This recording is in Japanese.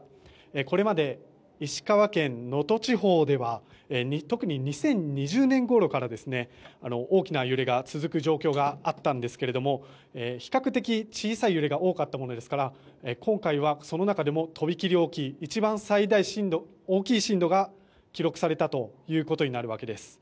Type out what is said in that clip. これまで、石川県能登地方では特に２０２０年ごろから大きな揺れが続く状況があったんですが比較的小さい揺れが多かったものですから今回はその中でもとびきり大きい一番大きい震度が記録されたことになるわけです。